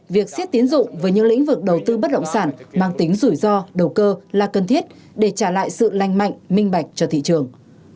việc siết tiến dụng với những lĩnh vực đầu tư bất động sản mang tính rủi ro đầu cơ là cần thiết để trả lại sự lanh mạnh minh bạch cho thị trường